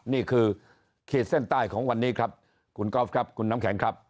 นี่คือขีดเส้นใต้ของวันนี้ครับคุณกอล์ฟครับคุณน้ำแข็งครับ